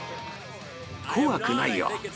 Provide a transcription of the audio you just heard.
怖くないよ。